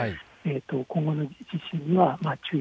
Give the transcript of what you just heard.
今後の地震には、注意。